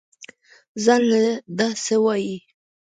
زان له دا سه وايې.